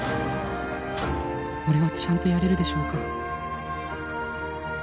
「俺はちゃんとやれるでしょうか？」